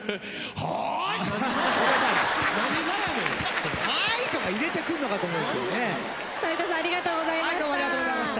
はいどうもありがとうございました。